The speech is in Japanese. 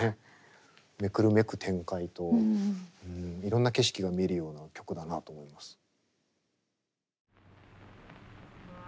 目くるめく展開といろんな景色が見えるような曲だなと思います。